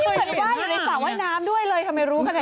มีบางว่ายในป่าว่าน้ำด้วยเลยทำไมรู้ขนาดนี้